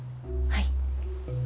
はい。